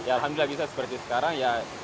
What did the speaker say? alhamdulillah bisa seperti sekarang